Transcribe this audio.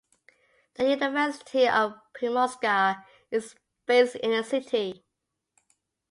The University of Primorska is based in the city.